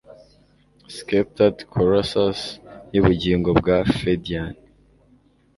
sceptred colossus yubugingo bwa Pheidian